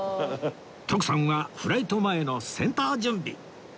徳さんはフライト前の戦闘準備